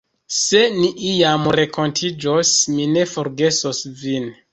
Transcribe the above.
Se ni iam renkontiĝos, mi ne forgesos vin.